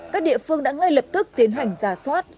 các địa phương đã ngay lập tức tiến hành giả soát